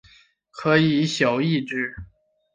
可以意晓之。